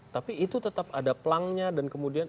tapi itu tetap ada pelangnya dan kemudian